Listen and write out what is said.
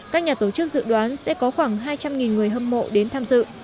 các nhà tổ chức dự đoán sẽ có khoảng hai trăm linh người hâm mộ đến tham dự